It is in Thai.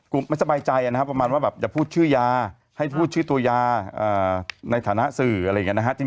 ไม่สบายใจนะครับประมาณว่าแบบอย่าพูดชื่อยาให้พูดชื่อตัวยาในฐานะสื่ออะไรอย่างนี้นะฮะ